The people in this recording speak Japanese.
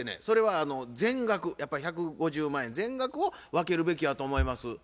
それは全額やっぱ１５０万円全額を分けるべきやと思います。